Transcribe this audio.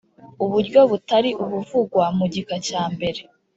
uburyo butari ubuvugwa mu gika cya mbere